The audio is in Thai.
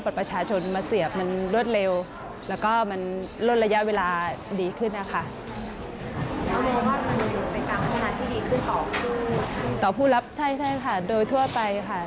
ต่อผู้รับใช่ค่ะโดยทั่วไปค่ะ